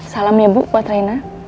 salam ya bu buat reina